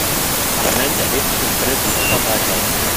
Das Parlament erhebt sich und spendet den Opfern Beifall.